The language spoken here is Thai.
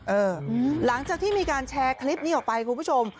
หลังจากที่มีการแชร์คลิปนี้ออกไปคุณผู้ชม